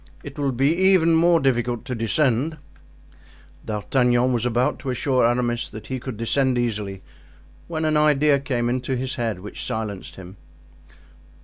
It will be even more difficult to descend." D'Artagnan was about to assure Aramis that he could descend easily, when an idea came into his head which silenced him.